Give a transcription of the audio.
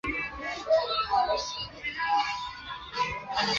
默泽站正前方设有社会车辆停车场。